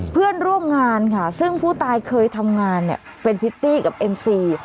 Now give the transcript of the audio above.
เพื่อนร่วมงานค่ะซึ่งผู้ตายเคยทำงานเนี่ยเป็นพริตตี้กับเอ็มซี